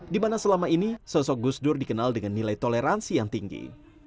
di mana selama ini sosok gus dur dikenal dengan nilai toleransi yang tinggi